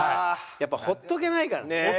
やっぱほっとけないから。